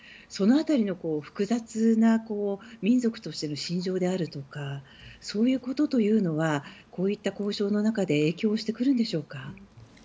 その辺りの複雑な民族としての信条であるとかそういうことというのはこういった交渉の中で影響してくるんでしょうか？